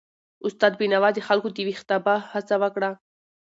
استاد بینوا د خلکو د ویښتابه هڅه وکړه.